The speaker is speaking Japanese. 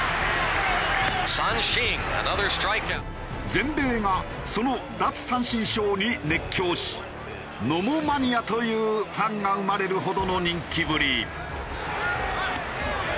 全米がその奪三振ショーに熱狂しＮＯＭＯマニアというファンが生まれるほどの人気ぶり。